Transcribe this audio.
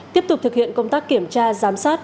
tiếp tục thực hiện công tác kiểm tra giám sát